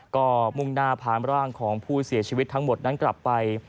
ก็มุ่งหน้าพามร่างของผู้เสียชีวิตทั้งหมดนั้นกลับไป